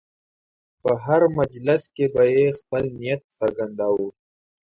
په هر مجلس کې به یې خپل نیت څرګنداوه.